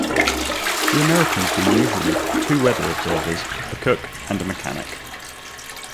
The Americans were usually two weather observers, a cook, and a mechanic.